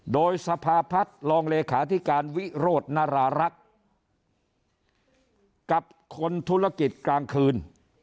โดยสภาพัฒน์รองเลขาธิการวิโรธนรารักษ์กับคนธุรกิจกลางคืน